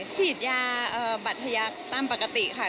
ฉีดยาบัตรทยักษ์ตามปกติค่ะ